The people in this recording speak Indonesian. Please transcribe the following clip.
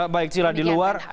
baik cila di luar